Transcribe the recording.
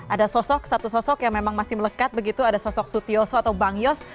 ada sosok satu sosok yang memang masih melekat begitu ada sosok sutioso atau bang yos